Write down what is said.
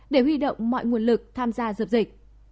để huy động mọi nguồn lực tham gia dập dịch